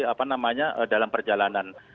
apa namanya dalam perjalanan